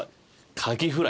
カキフライ。